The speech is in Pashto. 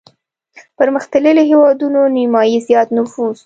پرمختلليو هېوادونو نيمايي زيات نفوس